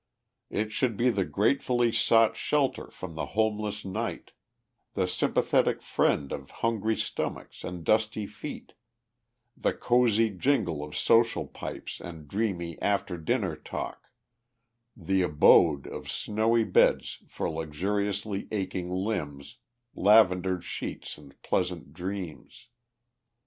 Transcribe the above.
It should be the gratefully sought shelter from the homeless night, the sympathetic friend of hungry stomachs and dusty feet, the cozy jingle of social pipes and dreamy after dinner talk, the abode of snowy beds for luxuriously aching limbs, lavendered sheets and pleasant dreams.